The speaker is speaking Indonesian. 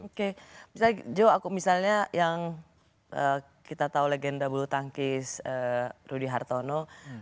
oke misalnya joe aku misalnya yang kita tahu legenda bulu tangkis rudy hartono